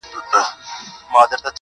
شمع به اوس څه وايی خوله نه لري-